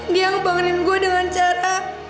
dia yang bangunin gue dengan cara